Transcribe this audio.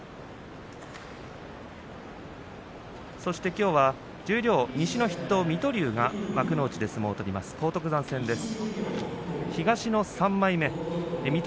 きょうは十両西の筆頭水戸龍が幕内で相撲を取ります。